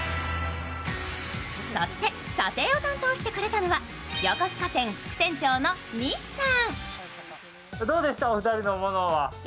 そして査定を担当してくれたのは、横須賀店副店長の西さん。